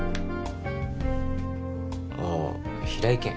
ああ平井堅